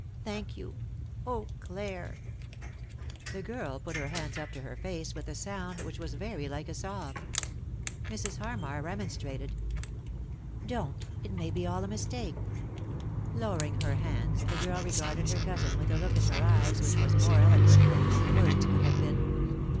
"Thank you. Oh, Clare 1" The girl put her hands up to her (ace with a >3 3i 9 iii^d by Google THE INTERRUPTED KISS sound which was very like a sob. Mrs. Harmar remonstrated. " Don't ! It may be all a mistake." Lowering her hands, the girl regarded her cousin with a look in her eyes which was more eloquent than many words could have been.